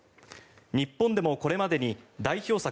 日本でもこれまでに代表作